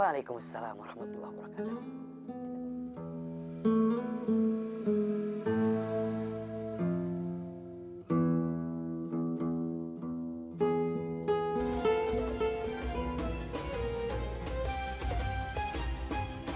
waalaikumsalam warahmatullahi wabarakatuh